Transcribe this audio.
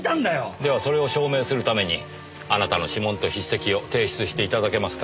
ではそれを証明するためにあなたの指紋と筆跡を提出して頂けますか？